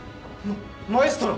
マエストロ！？